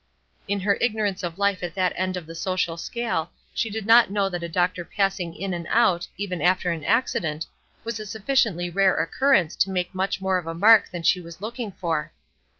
In her ignorance of life at that end of the social scale she did not know that a doctor passing in and out, even after an accident, was a sufficiently rare occurrence to make much more of a mark than she was looking for.